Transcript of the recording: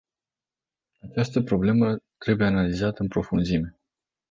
Această problemă trebuie analizată în profunzime.